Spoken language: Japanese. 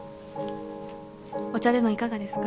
お茶でもいかがですか？